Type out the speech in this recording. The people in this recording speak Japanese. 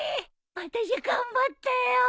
わたしゃ頑張ったよ。